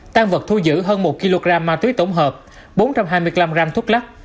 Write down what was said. tăng vật thu giữ hơn một kg ma túy tổng hợp bốn trăm hai mươi năm gram thuốc lắc